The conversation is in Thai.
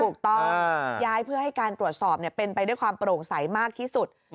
ถูกต้องย้ายเพื่อให้การตรวจสอบเป็นไปด้วยความโปร่งใสมากที่สุด